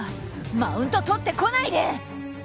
マウント取ってこないで！